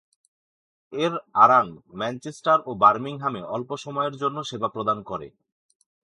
এর আরান ম্যানচেস্টার ও বার্মিংহামে অল্প সময়ের জন্য সেবা প্রদান করে।